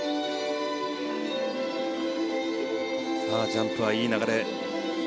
ジャンプはいい流れ。